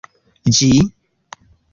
Ĝi